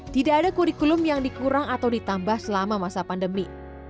tidak ada kurikulum yang dikurang atau ditambah selama masa pandemi